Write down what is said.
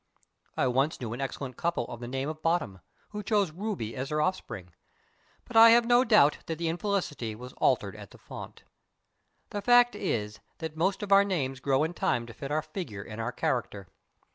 I once knew an excellent couple of the name of Bottom, who chose Ruby for their offspring; but I have no doubt that the infelicity was altered at the font. The fact is that most of our names grow in time to fit our figure and our character.